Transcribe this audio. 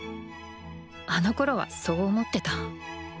あのころはそう思ってた。